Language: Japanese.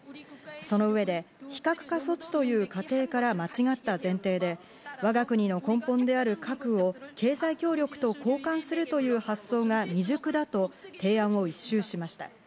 その上で非核化措置という仮定から間違った前提で、我が国の根本である核を経済協力と交換するという発想が未熟だと提案を一蹴しました。